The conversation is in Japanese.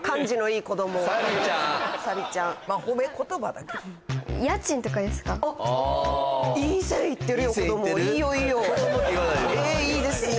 いいですね。